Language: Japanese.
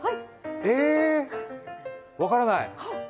えーっ、分からない！